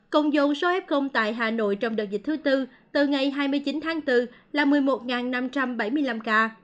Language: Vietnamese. cộng dụng số f tại hà nội trong đợt dịch thứ bốn từ ngày hai mươi chín tháng bốn là một mươi một năm trăm bảy mươi năm ca